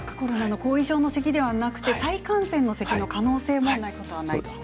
後遺症のせきではなくて再感染のせきでもないことはないと。